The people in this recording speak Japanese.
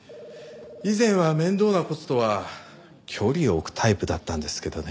以前は面倒な事とは距離を置くタイプだったんですけどね。